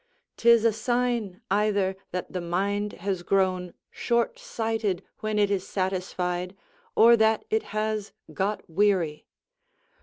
'Tis a sign either that the mind has grown shortsighted when it is satisfied, or that it has got weary.